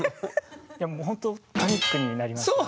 いやほんとパニックになりましたね。